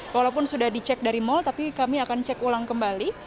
walaupun sudah dicek dari mal tapi kami akan cek ulang kembali